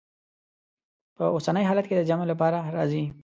په اوسني حالت کې د جمع لپاره راځي.